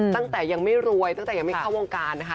ตั้งแต่ยังไม่รวยตั้งแต่ยังไม่เข้าวงการนะคะ